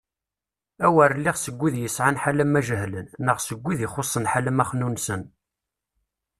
A wer iliɣ seg wid yesɛan ḥalama jehlen neɣ seg wid ixuṣṣen ḥalama xnunesen.